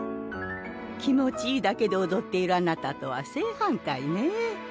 気持ちいいだけで踊っているあなたとは正反対ね。